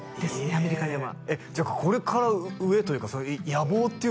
アメリカではじゃあこれから上というか野望っていうのは？